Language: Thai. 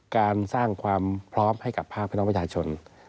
การสร้างความพร้อมให้กับภาคพี่น้องประชาชน